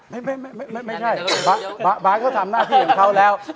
ไม่ใช่ไม่ใช่บาทเขาทำหน้าที่ของเขาแล้ว